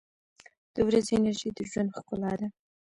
• د ورځې انرژي د ژوند ښکلا ده.